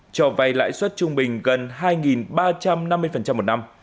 cho vay lãi suất trung bình gần hai ba trăm năm mươi một năm